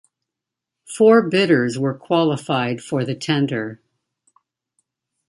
Four bidders were qualified for the tender.